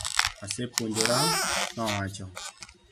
Asepuojora, nowacho.